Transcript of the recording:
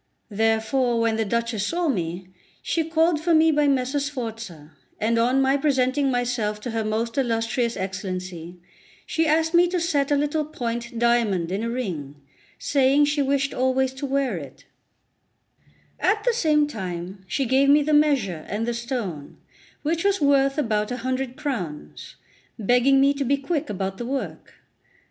Therefore, when the Duchess saw me, she called for me by Messer Sforza; and on my presenting myself to her most illustrious Excellency, she asked me to set a little point diamond in a ring, saying she wished always to wear it; at the same time she gave me the measure and the stone, which was worth about a hundred crowns, begging me to be quick about the work.